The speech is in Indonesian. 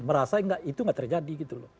merasa itu nggak terjadi gitu loh